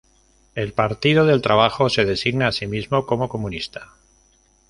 El Partido del Trabajo se designa a sí mismo como comunista.